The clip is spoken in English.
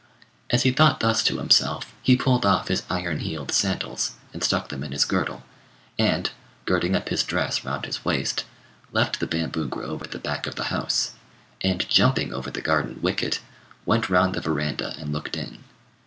As he thought thus to himself, he pulled off his iron heeled sandals, and stuck them in his girdle, and, girding up his dress round his waist, left the bamboo grove at the back of the house, and, jumping over the garden wicket, went round the verandah and looked in.